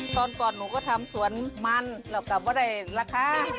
ตอนก่อนหนูก็ทำสวนมันแล้วก็ไม่ได้ราคา